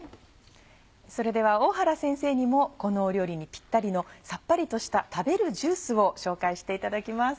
それでは大原先生にもこの料理にぴったりのさっぱりとした食べるジュースを紹介していただきます。